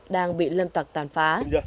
đang bị lâm tặc tàn phá